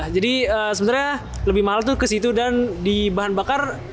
jadi sebenarnya lebih mahal tuh ke situ dan di bahan bakar